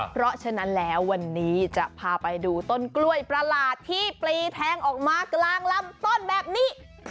เพราะฉะนั้นแล้ววันนี้จะพาไปดูต้นกล้วยประหลาดที่ปลีแทงออกมากลางลำต้นแบบนี้